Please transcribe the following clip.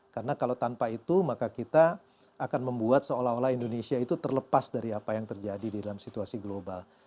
karena kalau tanpa itu maka kita akan membuat seolah olah indonesia itu terlepas dari apa yang terjadi di dalam situasi global